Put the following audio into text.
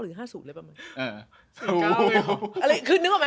คือนึกออกไหม